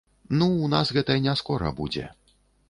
Ну, у нас гэта не скора будзе!